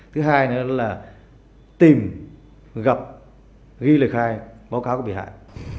thứ hai là tìm gặp ghi lời khai báo cáo của bị hại